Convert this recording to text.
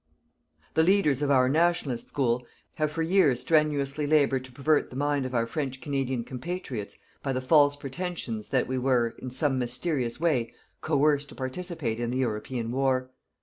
The leaders of our Nationalist School have for years strenuously laboured to pervert the mind of our French Canadian compatriots by the false pretensions that we were, in some mysterious way, coerced to participate in the European War.